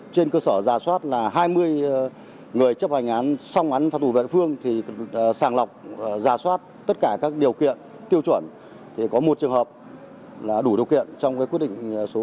trên cơ sở giả soát là hai mươi người chấp hành án xong án phạt tù vẹn phương thì sàng lọc giả soát tất cả các điều kiện tiêu chuẩn thì có một trường hợp là đủ điều kiện trong quyết định số hai mươi hai